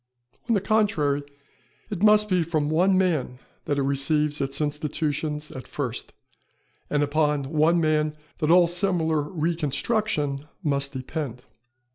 On the contrary, it must be from one man that it receives its institutions at first, and upon one man that all similar reconstruction must depend.